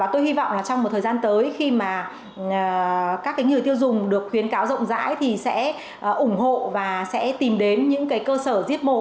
trong một thời gian tới khi mà các cái người tiêu dùng được khuyến cáo rộng rãi thì sẽ ủng hộ và sẽ tìm đến những cái cơ sở diết mộ